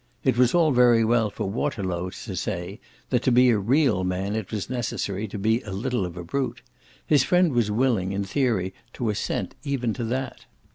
It was very well for Waterlow to say that to be a "real" man it was necessary to be a little of a brute; his friend was willing, in theory, to assent even to that.